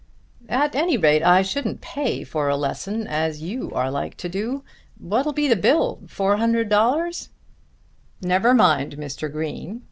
"At any rate I shouldn't pay for the lesson as you are like to do. What'll the bill be? Four hundred dollars?" "Never mind, Mr. Green.